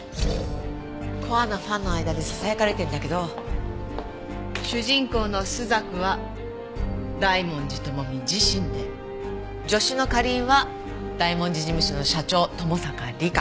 コアなファンの間でささやかれてるんだけど主人公の朱雀は大文字智美自身で助手の花凛は大文字事務所の社長友坂梨香。